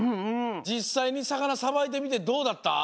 じっさいにさかなさばいてみてどうだった？